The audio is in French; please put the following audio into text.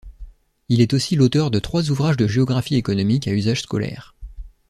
Il est aussi l'auteur de trois ouvrages de géographie économique à usage scolaire.